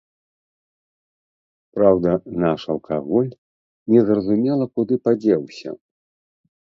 Праўда, наш алкаголь незразумела куды падзеўся.